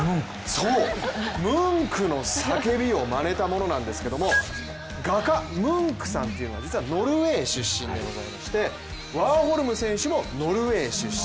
そう、ムンクの「叫び」をまねたものなんですが画家・ムンクさんというのはノルウェー出身でございましてワーホルム選手もノルウェー出身。